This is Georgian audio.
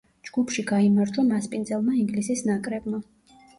ჯგუფში გაიმარჯვა მასპინძელმა ინგლისის ნაკრებმა.